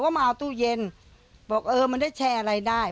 ก็มาเอาตู้เย็นบอกเออมันได้แชร์อะไรได้